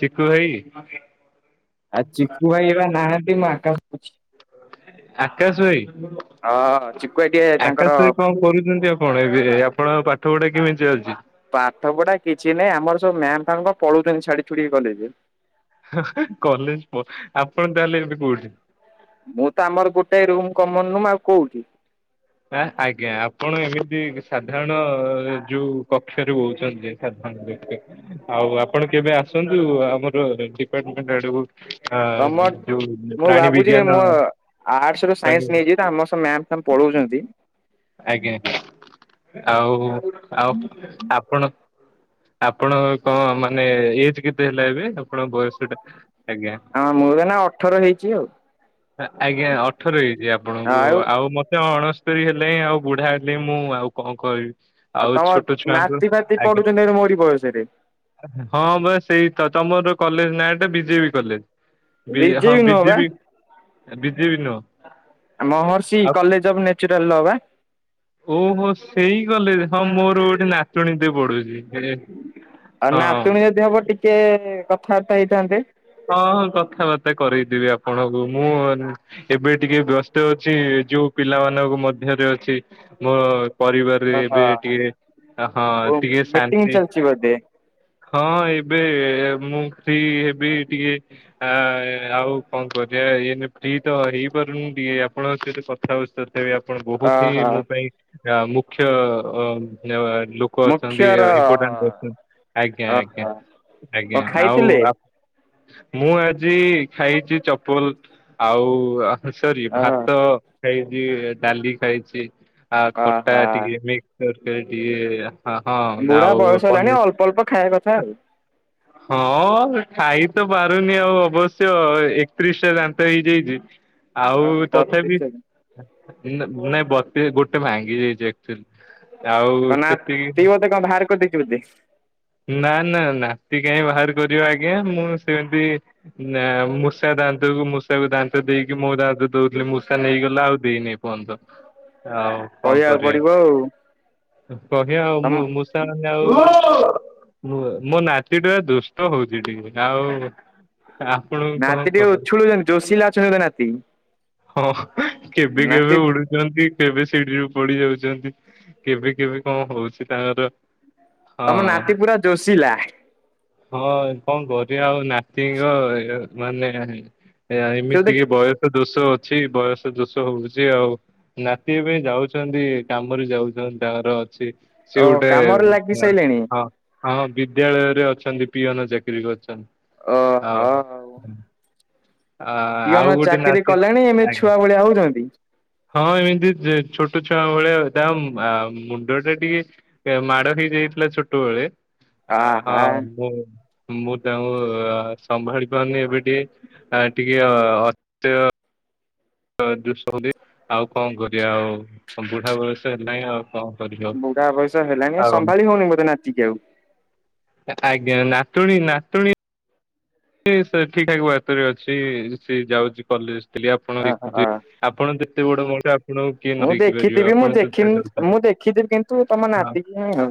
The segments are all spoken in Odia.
ଚିକୁ ଭାଇ। ଆଉ ଚିକୁ ଭାଇ ଏବେ ନାହାନ୍ତି ମୁଁ ଆକାଶ କହୁଛି। ଆକାଶ ଭାଇ ଚିକୁ ଭାଇ ଟିକେ ଆକାଶ ତାଙ୍କର ଭାଇ କଣ କରୁଛନ୍ତି। କଣ ଏବେ ଆପଣଙ୍କ ପାଠପଢା କେମିତି ଅଛି। ପାଠ ପଢା କିଛି ନାହିଁ ଆମର ସବୁ ମ୍ୟାମ ଫ୍ୟାମ ପଳଉଛନ୍ତି ଛାଡି ଛୁଡି କରି। କଲେଜ ପ ଆପଣ ତାହେଲେ ଏବେ କୋଉଠି? ମୁଁ ତ ଆମର ଗୋଟେ ରୁମ କମନରୁମ ଆଉ କୋଉଠି। ଆ ଆଜ୍ଞା ଆପଣ ଏମିତି ସାଧାରଣ ଯୋଉ କକ୍ଷରେ ବହୁଛନ୍ତି। ଆ ଧ ଦେ ଆଉ ଆପଣ କେବେ ଆସନ୍ତୁ ଆମର ଡିପାର୍ଟମେଣ୍ଟ ଆଡକୁ। ଆ ତମର ଯୋଉ ମୁଁ ପ୍ରାଣୀ ଭାବୁଛି ବିଜ୍ଞାନ ମୋ ଆର୍ଟସ ରୁ ପ୍ରାଣୀ ସାଇନ୍ସ ନେଇଛି ତ ଆମ ମ୍ୟାମ୍ ସବୁ ପଳଉଛନ୍ତି। ଆଜ୍ଞା ଆଜ୍ଞା ଆଉ ଆଉ ଆପଣ ଆପଣଙ୍କ କଣ ମାନେ ଏଜ କେତେ ହେଲା ଏବେ ଆପଣଙ୍କ ବୟସ ଟା ଆଜ୍ଞା। ହଁ ମୁଁ ଏବେ ନା ଅଠର ହେଇଛି ଆଉ। ଆଜ୍ଞା ଅଠର ହେଇଛି ଆପଣଙ୍କୁ ଆଉ ମୁ ସେ ଅଣସ୍ତରୀ ହେଲାଣି ଆଉ ବୁଢା ହେଲି ମୁଁ ଆଉ କଣ କହିବି। ଆଉ ତମ ଛୋଟ ଛୁଆଙ୍କୁ ନାତି ଫାତି ଆଜ୍ଞା ପଡୁଛନ୍ତି ମୋରି ବୟସରେ। ହଁ ବା ସେଇ ତ ତମର କଲେଜ ନାଁ ଏଟା ବିଜେ ବି କଲେ। ବି ହଁ ବିଜେବି ନୁହଁ ବା ବିଜେ ବି ବିଜେ ବି ନୁହ। ମହର୍ଷି କଲେଜ ଅଫ୍ ନେଚୁରାଲ ଲ ବା। ଓହୋ ସେଇ କଲେଜ ହଁ ମୋର ଗୋଟେ ନାଚୁଣୀଟେ ପଢୁଛି। ଆଉ ହଁ ନାତୁଣୀ ଯଦି ହବ ଟିକେ କଥାବାର୍ତ୍ତା ହେଇଥାନ୍ତେ। ହଁ କଥାବାର୍ତ୍ତା କରଇଦେବି ଆପଣଙ୍କୁ ମୁଁ ଏବେ ଟିକେ ବ୍ୟସ୍ତ ଅଛି ଯୋଉ ପିଲାମାନଙ୍କ ମଧ୍ୟରେ ଅଛି ମୋ ପରିବାରରେ ଏବେ ଓହୋ। ଟିକେ ହଁ ଓ ଟିକେ ଶାନ୍ତି [unintelligible] ହଁ ଏବେ ମୁଁ ସେଠି ହେବି ଟିକେ। ଆ ଆଉ କଣ କରିବା ଇ ଫି ତ ହେଇପାରୁନି ଟିକେ ଆପଣଙ୍କ ସହିତ କ [unintelligible] ତଥାପି ଆପଣ ବହୁତ ଅହ ହିଁ ମୋ ପାଇଁ ମୁଖ୍ୟ। ମୁଖ୍ୟର [unintelligible] [unintelligible] ଆଜ୍ଞା ଆଜ୍ଞା ଓହୋ ଆଜ୍ଞା କଣ ଆଉ ଖାଇଥିଲେ ଆ ମୁଁ ଆଜି ଖାଇଛି ଚପଲ ଆଉ ସରି ଅହ ଭାତ ଖାଇଛି ଡାଲି ଖାଇଛି ଆ ଅହ ଖଟା ଟିକେ ତରକାରୀ ଟିକେ ହଁ ହଁ ନା ବୁଢା ଆଉ ବୟସ ହେଲାଣି ପନିର। ଅଳ୍ପ ଅଳ୍ପ ଖାଇବା କଥା ଆଉ ହୁଁ। [inaudible] ହଁ ଖାଇ ତ ପାରୁନି ଆଉ ଅବଶ୍ୟ ଏକତିରିଶ ଟା ଦାନ୍ତ ହେଇଯାଇଛି। ଓହୋ ଆଉ ତଥାପି ବତିଶ ନାଇଁ ବତି ଗୋଟେ ଭାଙ୍ଗି ଯାଇଛି ଆଉ କଣ ସେତିକି ନାତି ବୋଧେ କଣ ବାହାର କରିଦେଇଛି ବୋଧେ ନା ନା ନାତି କହିଁକି ବାହାର କରିବ ଆଜ୍ଞା। ମୁଁ ସେମିତି ନା ମୂଷା ଦାନ୍ତକୁ ମୂଷାକୁ ଦାନ୍ତ ଦେଇକି ମୋ ଦାନ୍ତ ଦଉଥିଲି ମୂଷା ନେଇଗଲା ଆଉ ଦେଇନି ଏ ଏପର୍ଯ୍ୟନ୍ତ ଆଉ। କଣ କହିବାକୁ କରିବା ପଡ଼ିବ ଆଉ। କହିବା ଆଉ ତମ ମୂଷାମାନେ ଆଉ ମୁ ମୋ ନାତି ଟୋକା ଦୁଷ୍ଟ ହଉଛି ଟିକେ। ଆଉ ଆପଣଙ୍କୁ କଣ ନାତି ଟିକେ କହ ଉଛୁଳୁଛନ୍ତି ଜୋସିଲା ଅଛନ୍ତି ବୋଧେ ନାତି ହଁ କେବେ ନାତି କେବେ ଉଡୁ କେବେ ଶିଡିିରୁୁ ପଡି ଯାଉଛନ୍ତି। କେବେ କେବେ କଣ ହଉଛି ତାଙ୍କର। ତମ ହଁ। ନାତି ପୁରା ଯୋଶିଲା। ହଁ କଣ କରିବା ଆଉ ନାତିଙ୍କ ମାନେ ଏୟା ଏମିତି ବୋଧେ ଟିକେ ବୟସ ଦୋଷ ଅଛି। ବୟସ ଦୋଷ ହଉଛି ଆଉ ନାତି ଏବେ ଯାଉଛନ୍ତି କାମରେ ଯାଉଛନ୍ତି ତାଙ୍କର ଅଛି ସିଏ ଓହ ଗୋଟେ କାମରେ ଲାଗି ସାରିଲେଣି? ହଁ ହଁ, ବିଦ୍ୟାଳୟରେ ଅଛନ୍ତି ପିଅନ ଚାକିରି କରିଛନ୍ତି। ଆଉ ଓହୋ ଆ ଆଉ ପିଅନ ଗୋଟେ ଚାକିରି ନାତି କଲେଣି ଏମିତି ଛୁଆ ଆଜ୍ଞା। ଭଳିଆ ହଉଛନ୍ତି ହଁ ଏମିତି ଛୋଟ ଛୁଆ ଭଳିଆ। ତା ମୁଣ୍ଡଟା ଟିକେ ମାଡ ହେଇଯାଇଥିଲା ଛୋଟବେଳେ। ଆହା ହଁ ମୁଁ ମୁଁ ତାଙ୍କୁ ସମ୍ଭାଳି ପାରୁନି ଏବେ ଟିକେ। ଟିକେ ଅ ଅ [unintelligible] ଆଉ କଣ କରିବା ଆଉ। ବୁଢା ବୟସ ହେଲାନି ଆଉ। କଣ କରିବ ବୁଢା ବୟସ ହେଲାଣି ଆଉ। ସମ୍ଭାଳି ହଉନି ବୋଧେ ନାତିକି ଆଉ? ଆଜ୍ଞା। ନାତୁଣୀ ନାତୁଣୀ ସେ ସେ ଠିକ ଠା ବାଟରେ ଅଛି ସେ ଯାଉଛି କଲେଜ ଥିଲି ଆପଣ ଅ ଦେଖୁଛି [unintelligible] ଆପଣ ଯେତେ ବଡ ମୋଟ ଆପଣଙ୍କୁ କିଏ ନ ମୁଁ ଦେଖିପାରିବ। ଦେଖିଥିବି ଆପଣ ମୁଁ ଦେଖି ଯ ଦରକାର ମୁଁ ଦେଖିଥିବି କିନ୍ତୁ ତମ ହଁ। ନାତିକି ହିଁ ଆଉ।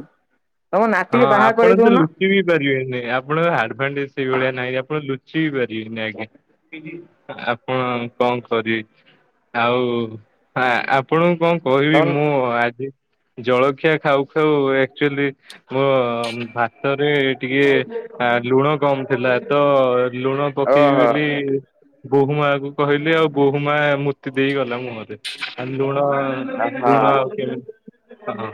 ତମ ନାତିକି ହଁ ବାହା କରେଇ ଆପଣ ତ ଦଉନ ଲୁଚି ବି ପାରିବେନି। ଆପଣଙ୍କ ଆଡଭାଣ୍ଟେଜ ସେଇଭଳିଆ ନାହିଁ। ଆପଣ ଲୁଚି ପାରିବି ପାରିବେନି। ଆଜ୍ଞା। ଆପଣ କଣ କରିବେ? ଆଉ ଆପଣଙ୍କୁ କଣ କହିବି ତମ ମୁଁ ଆଜି ଜଳଖିଆ ଖାଉ ଖାଉ ଆକ୍ଚୁଆଲି ମୋ ଭାତରେ ଟିକେ ଲୁଣ କମ ଥିଲା। ତ ଲୁଣ ପକେଇବି ଓହୋ ବୋଲି ବୋହୂମା କୁ କହିଲି ଆଉ ବୋହୂମା ମୁତି ଦେଇ ଗଲା ମୁହଁରେ। ଆ ଲୁଣ ଲୁଣ ହଁ। କେ ହ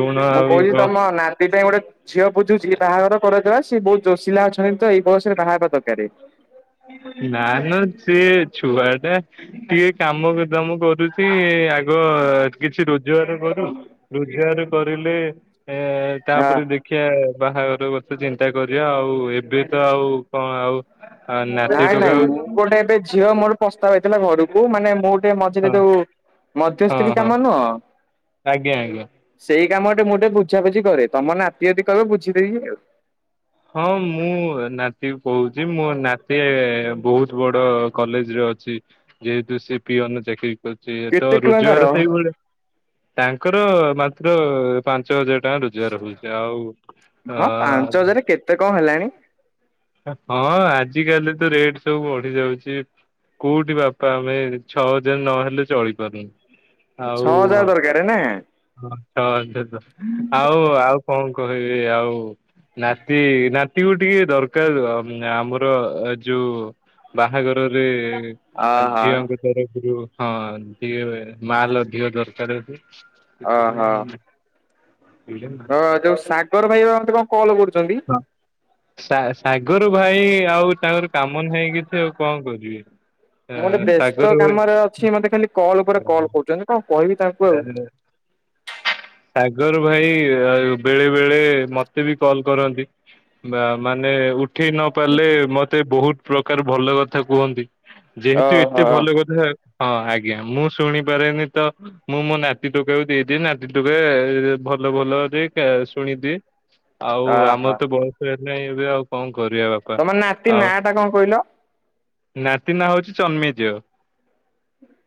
ଲୁଣ ମୁଁ କହୁଛି ତମ ଆଉ ନାତି ପାଇଁ ଗୋଟେ ଝିଅ ବୁଝୁଛିି ବାହାଘର କରେଇଦେବା। ସିଏ ବହୁତ ଜୋସିଲା ଅଛନ୍ତି ତ ଏଇ ବୟସରେ ବାହା ହେବା ଦରକାର। ନା ନା ସେ ଛୁଆଟା ଟିକେ କାମ କର ଦାମ କରୁଛି ଆ କିଛି ରୋଜଗାର କରୁ। ରୋଜଗାର କରିଲେ ଏ ହଁ। ତାପରେ ଦେଖ ଦେଖୀଆ ବାହାଘର କଥା ଚିନ୍ତା କରିବା ଆଉ ଏବେ ତ ଆଉ କଣ ଆଉ ଆ ନାତି ନାଇଁ ଟୋକା ନାଇଁ ମୁଁ ହଁ ଗୋଟେ ଏବେ ଝିଅ ମୋର ପ୍ରସ୍ତାବ ହେଇଥିଲା ଘରକୁ। ମାନେ ମୁଁ ଟେ ମଝିରେ ଯୋଉ ହଁ ମଧ୍ୟସ୍ତ୍ରୀ ହଁ କାମ ନୁହଁ? ଆଜ୍ଞା ଆଜ୍ଞା ସେଇ କାମ ଟେ ମୁଁ ଟିକେ ବୁଝାବୁଝି କରେ ତମ ନାତି ଯଦି କହିବ ବୁଝିଦେବି ଆଉ। ହଁ ମୁଁ ନାତି କହୁଛି ମୋ ନାତି ବହୁତ୍ ବଡ କଲେଜରେ ଅଛି। ଯେହେତୁ ସେ ପିଅନ ଚାକିରୀ ହୋଉଚି ତ କେତେ ଟଙ୍କା ରୋଜଗାର ତାର? ସେଇଭଳିଆ ତାଙ୍କର ମାତ୍ର ପାଞ୍ଚ ହଜାର ଟଙ୍କା ରୋଜଗାର ହଉଛି ଆଉ ତେ କଣ ହେଲାଣି ହଁ ଆଜି କାଲି ତ ରେଟ୍ ସବୁ ବଢି ଯାଉଛି। କେଉଁଠି ବାପା ଆମେ ଛଅ ହଜାର ନହେଲେ ଚଳିପାରୁନୁ। ଆଉ ଛଅ ହଜାର ଦରକାର ନା ଛ ଅ ଆଉ ଆଉ କଣ କହିବି ଆଉ ନାତି ନାତିକୁ ଟିକେ ଦରକା ଦକାର ଆମର ଯୋଉ ବାହାଘରରେ ଅହ ଝିଅ ପି ହଁ ସେ ମାଲ ଅଧିକ ଦରକାର। ହଁ ଯୋଉ ସାଗର ଭାଇବା ମତେ କଣ କଲ୍ କରୁଛନ୍ତି। ସା ସାଗର ଭାଇ ଆଉ ତାଙ୍କର କାମ ନାହିଁ କିଛି ଆଉ କଣ କରିବା। ମୁଁ ଗୋଟେ ବ୍ୟସ୍ତ କାମରେ ଅଛି ମତେ ଖାଲି କଲ୍ ଉପରେ କଲ୍ କରୁଛନ୍ତି କଣ କହିବି ତାଙ୍କୁ ଆଉ। ହଁ ସାଗର ଭାଇ ବେଳେ ବେଳେ ମତେ ବି କଲ୍ କରନ୍ତି। ବା ମାନେ ଉଠେଇ ନ ପାରିଲେ ମତେ ବହୁତ୍ ପ୍ରକାର ଭଲ କଥା କୁହନ୍ତି ଯେହେତୁ ଓହୋ ଏତେ ଭଲ କଥା ହଁ ଆଜ୍ଞା ମୁଁ ଶୁଣିପାରେନି ତ ମୁଁ ମୋ ନାତି ଟୋକାକୁ ଦେଇଦିଏ ନାତି ଟୋକ ଭଲ ଭଲରେ ଶୁଣିଦିଏ। ଆଉ ଆମର ଓହୋ ତ ବୟସ ହେଲାହିଁ ଏବେ ଆଉ କଣ କରିବା ବାପ। ତମ ନାତି ନାଁ ଟା କଣ କହିଲ? ନାତି ନା ହଉଛି ଚନ୍ମେଇଜ।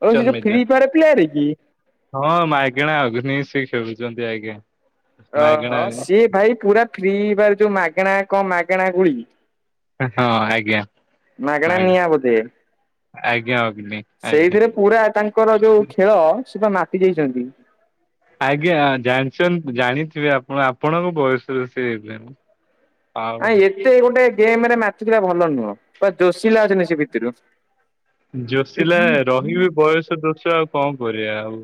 ଓ ସେ ଯୋଉ ଫ୍ରି ଫାର ପ୍ୟଆର କି? ହଁ ମାଇଗଣା ଅଗ୍ନିଶ ଖେଲୁଛନ୍ତି ଆଜ୍ଞା। ଓହୋ ମାଗେଣା ସିଏ ଭାଇ ପୁରା ଫ୍ରିବାର ଯୋଉ ମାଗଣା କଣ ମାଗଣା ଗୁଳି ହଁ ଆଜ୍ଞା। ମାଗଣା ନିଆଁ ବୋଧେ ଆଜ୍ଞା ଅଗ୍ନି ଆଜ୍ଞା ସେଇଥିରେ ପୁରା ତାଙ୍କର ଯୋଉ ଖେଳ ସେ ବା ମାତି ଯାଇଛନ୍ତି। ଆଜ୍ଞା ଜାଣି ଜାଣିଥିବେ ଆପଣ ଆପଣଙ୍କ ବୟସରେ ସେ ଆ ଆଉ ଏତେ ଗୋଟେ ଗେମ୍ ରେ ମାତୁଥିଲା ଭଲ ନୁହଁ ପୁର ଜୋସିଲା ଅଛନ୍ତିନ ସେ ଭିତରୁ ଜୋଷିଲା ରହିବେ ବୟସ ଦୋଷ ଆଉ କଣ କରିବା ଆଉ।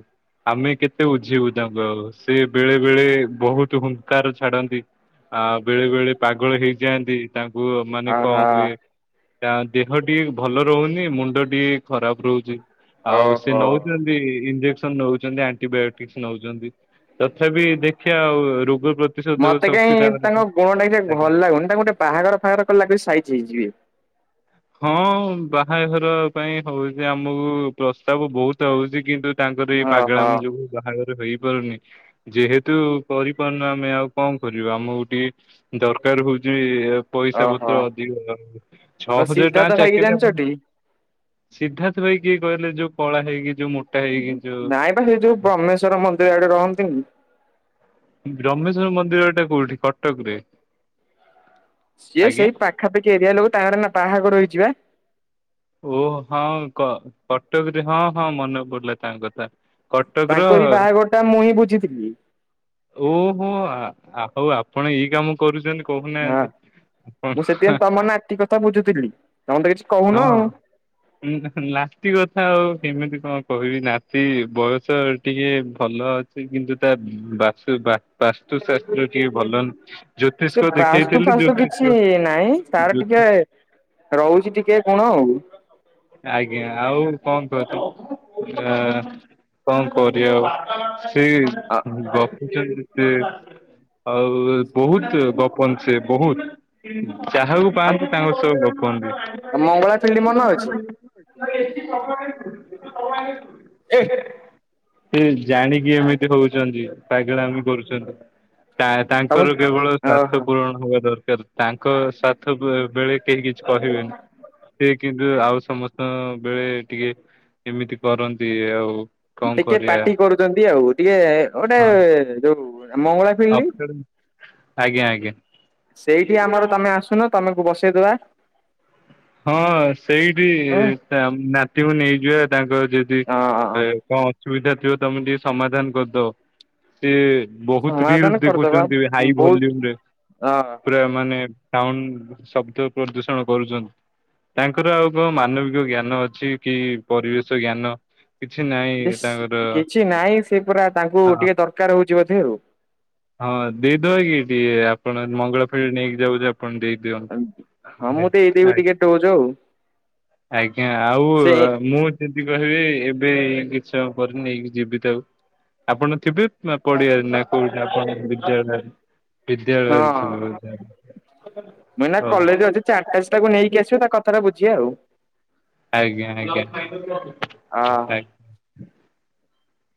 ଆମେ କେତେ ଉୁଝିବୁ ତାଙ୍କୁ ଆଉ ସେ ବେଳେ ବେଳେ ବହୁତ ହୁଙ୍କାର ଛାଡନ୍ତି। ଆ ବେଳେ ବେଳେ ପାଗଳ ହେଇଯାଆନ୍ତି। ତାଙ୍କୁ ମାନେ କଣ ଆହା ହୁଏ ତା ଦେହ ଟିକେ ଭଲ ରହୁନି ମୁଣ୍ଡ ମୁଣ୍ଡ ଟିକେ ଖରାପ୍ ରହୁଛି ଆଉ ସେ ଓହୋ। ନଉଛନ୍ତି ଇଂଜେକସନ ନଉଛନ୍ତି ଆ ବ୍ୟାୟୋଟିକ୍ ନଉଛନ୍ତି ତଥାପି ଦେଖିବା ଆଉ ରୋଗ ପ୍ରତି ମତେ କାହିଁ ତାଙ୍କ ଗୁଣ ଟା ଟେ ଆଜ୍ଞା ଭଲ ଲାଗୁନି ତାଙ୍କୁ ଗୋଟେ ବାହାଘର ଫାଘର କଲେ ସାଇଜ୍ ହେଇଯିବେ। ହଁ ବାହାଘର ପାଇଁ ହଉଛି ଆମକୁ ପ୍ରସ୍ତାବ ବହୁତ୍ ଆଉଛି କିନ୍ତୁ ତାଙ୍କର ଏଇ ଓହୋ ପାଗଳାମି ଯୋଗୁ ବାହାଘରେ ହେଇପାରୁନି। ଯେହେତୁ କରିପାରୁନ ଆମେ ଆଉ କଣ କରିବା ଆମ କୁ ଟିକେ ଦରକାର ହଉଛି ପଇସା ଓହୋ। ପତ୍ର ଅଧିକ ଛଅ ଆଉ ହଜାର ଟଙ୍କା ସିଦ୍ଧାର୍ଥ ଭାଇ କି ଚାକିରି ହେବନି ଜାଣିଛଟି? ସିଦ୍ଧାର୍ଥ ଭାଇ କିଏ କହିଲେ ଯୋଉ କଳା ହେଇକି ଯୋଉ ମୋ ନାଇଁ ବା ସେ ଯୋଉ ବ୍ରହ୍ମେଶ୍ଵର ମନ୍ଦିର ଆଡେ ରହନ୍ତିନି ବ୍ରହ୍ମେଶ୍ଵର ମନ୍ଦିରଟା କୋଉଠି କଟକରେ? ସିଏ ସେଇ ପାଖାପାଖି ଏରିଆ ଲୋକ ତାର ଏଇନା ବାହାଘର ହେଇଛି ବା। ଓ ହଁ କହ, କଟକରେ ହଁ ହଁ ମନେ ପଡିଲା ତାଙ୍କ କଥା। କଟକ ର ତାଙ୍କରି ବାହାଘର ଟା ମୁଁ ହିଁ ବୁଝିଥିଲି। ଓହୋ, ଆ ହଉ ଆପଣ ଏଇ କାମ କରୁଛନ୍ତି ହଁ। କହୁନାହାନ୍ତି। ଆପଣ ମୁଁ ସେଥିପାଇଁ ତମ ନାତି କଥା ବୁଝୁଥିଲି ତମେ ତ କିଛି କହୁନ ହଁ ଆଉ। ନାତି କଥା ଆଉ କେମିତି କଣ କହିବି ନାତି ବୟସ ଟିକେ ଭଲ ଅ କିନ୍ତୁ ତା ବାସ୍ତୁ ବା ବାସ୍ତୁଶାସ୍ତ୍ର ଟିକେ ଭଲ ସେ ଜ୍ୟୋତିଷ ବାସ୍ତୁ ଦେଖେଇଥିଲି ଫାସ୍ତୁ ଜ୍ୟୋତିଷ କିଛି ନାଇଁ ତାର ଜ୍ୟୋ- ଟିକେ ରହୁଛି ଟିକେ କଣ ଆଉ। ଆଜ୍ଞା ଆଉ କଣ କୁହନ୍ତୁ। ଆ କଣ କରିବା ଆଉ ସିଏ ଗପୁଛନ୍ତି ସେ ଆଉ ବହୁତ ଗପନ୍ତି ସିଏ ବହୁତ ଯାହାକୁ ଆ ପାଆନ୍ତି ତାଙ୍କ ସହ ଗପନ୍ତି। ସେିଲମାମାନ [inaudible] ସେ ଜାଣିକି ଏ ଏମିତି ହଉଛନ୍ତି ପାଗଳାମୀ କରୁଛନ୍ତି। ତା ତମ ତାଙ୍କର କେବଳ ସ୍ୱାର୍ଥ ଓହୋ ପୂରଣ ହବା ଦରକାର ତାଙ୍କ ସ୍ୱାର୍ଥ ବ ବେଳେ କେହି କିଛି କହିବେନି। ସେ କିନ୍ତୁ ଆଉ ସମ ସମସ୍ତଙ୍କ ବେଳେ ଟିକେ ଏମିତି କରନ୍ତି ଆଉ। କଣ ଟିକେ କରିବା ପାର୍ଟି କରୁଛନ୍ତି ଆଉ ଟିକେ ଗୋଟେ ହଁ ଯୋଉ ମ ଆଜ୍ଞା ଆଜ୍ଞା। ସେଇଠି ଆମର ତମେ ଆସୁନ ତମକୁ ବସେଇଦବା। ହଁ, ସେଇଠି ହଁ ନାତିକୁ ନେଇଯିବା ତାଙ୍କ ଯଦି ହଁ କଣ ଅସୁବିଧା ଥିବ ତମେ ଟିକେ ସମାଧାନ କରିଦବ। ସିଏ ବହୁତ ସମାଧାନ ରିଲସ୍ କରିଦବା ଦେଖୁଛନ୍ତି ହାଇ ବହୁତ ଭଲ୍ୟୁମରେ। ଅ ପୁରା ମାନେ ସାଉଣ୍ଡ ଶବ୍ଦ ପ୍ରଦୂଷଣ କରୁଛନ୍ତି। ତାଙ୍କର ଆଉ କଣ ମାନବିକ ଜ୍ଞାନ ଅଛି କି ପରିବେଶ ଜ୍ଞାନ। କିଛି ନାଇଁ। ବେଶ୍ କିଛି ନାହିଁ ସେ ପୁରା ତାଙ୍କୁ ହଁ ଟିକେ ଦରକାର ହଉଛି ବୋଧେ ଆଉ। ହଁ ଦେଇଦବା କି ଟିକେ ଆପଣ ମଙ୍ଗଳା ଫେରି ନେଇକି ଯାଉ କଣ ଦେଇଦିଅ। ହଁ ମୁଁ ଦେଇଦେବି ଟିକେ ଡୋଜ୍ ଆଉ। ଆଜ୍ଞା ଆଉ ସେ ମୁଁ ଯଦି କହିବେ ଏବେ ଏଇ କିଛି ସମୟ ପରେ ନେଇକି ଯିବି ତାକୁ। ଆପଣ ଥିବେ? ପଡିଆରେ ନା କୋଉଠି ଆପଣଙ୍କ ବିଦ୍ୟାଳୟ ହଁ ବିଦ୍ୟାଳୟରେ। ମୁଁ ଏଇନା ଓ କଲେଜରେ ଅଛି ଚାରିଟାବେଶିକି ତାକୁ ନେଇକି ଆସ। ବୁଝିଆ ଆଉ। ଆଜ୍ଞା, ଆଜ୍ଞା, ଆ ଆଜ୍ଞା।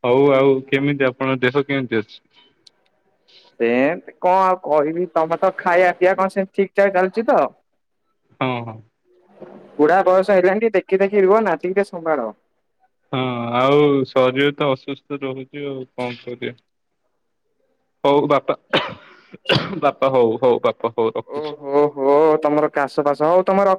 ହଉ ଆଉ କେମିତି ଆପଣଙ୍କ ଦେହ କେମିତି ଅଛି? ସେମତି କଣ ଆଉ କହିବି? ତମର ତ ଖାଇବା ପିଇବା କଣ ସେମିତି ଠିକ୍ ଠାକ୍ ଚାଲିଛି ତ। ହଁ ହଁ ବୁଢା ବୟସ ହେଲାଣି ଟିକେ ଦେଖି ଦାଖି ରୁହ ନାତିକି ଟିକେ ସମ୍ଭାଳ। ହଁ, ଆଉ ଶରୀର ତ ଅସୁସ୍ଥ ରହୁଛି ଆଉ କଣ କରିବା। ହଉ ବାପା [unintelligible] ବାପା ହଉ, ହଉ ବାପା ହଉ ରଖୁଛି। ଓହୋ ତମର କାଷ ବାସ ହଉ ତମେ ରହ୍